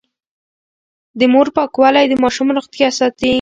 د مور پاکوالی د ماشوم روغتيا ساتي.